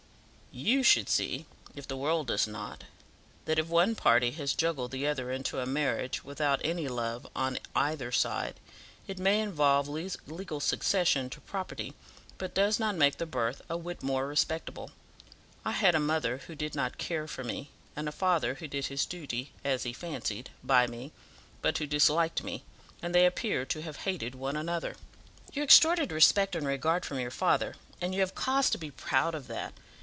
"YOU should see, if the world does not, that if one party has juggled the other into a marriage, without any love on either side, it may involve legal succession to property, but does not make the birth a whit more respectable. I had a mother who did not care for me, and a father who did his duty, as he fancied, by me, but who disliked me, and they appear to have hated one another." "You extorted respect and regard from your father, and you have cause to be proud of that.